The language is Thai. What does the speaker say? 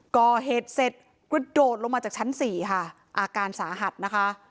ก่อเหตุเสร็จกระโดดลงมาจากชั้นสี่ค่ะอาการสาหัสนะคะ